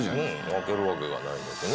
負けるわけがないですね。